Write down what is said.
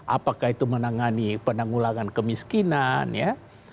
apakah itu menangani penanggulangan kemiskinan ya